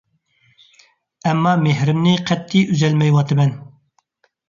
ئەمما مېھرىمنى قەتئىي ئۈزەلمەيۋاتىمەن.